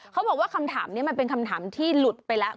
เขาบอกว่าคำถามนี้มันเป็นคำถามที่หลุดไปแล้ว